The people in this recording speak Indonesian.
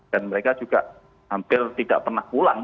dan mereka juga hampir tidak pernah pulang